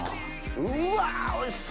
うわおいしそ！